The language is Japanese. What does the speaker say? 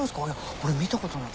俺見たことない。